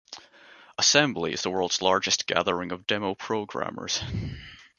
Assembly is the world's largest gathering of demo programmers.